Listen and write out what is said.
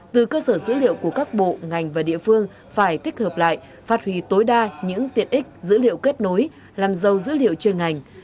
từ cơ sở dữ liệu của các bộ ngành và địa phương phải tích hợp lại phát huy tối đa những tiện ích dữ liệu kết nối làm giàu dữ liệu chuyên ngành